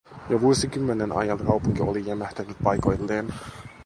Jo vuosikymmenen ajan kaupunki oli jämähtänyt paikoilleen.